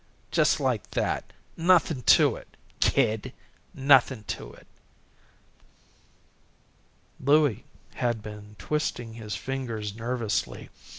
Just like that. Nothin' to it, kid. Nothin' to it." Louie had been twisting his fingers nervously.